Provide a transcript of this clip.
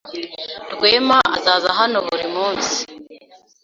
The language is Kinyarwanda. Rwema azaza hano buri munsi.